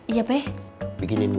iya deh bikinin